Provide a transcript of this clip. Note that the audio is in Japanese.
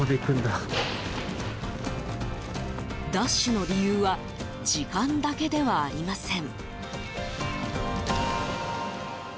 ダッシュの理由は時間だけではありません。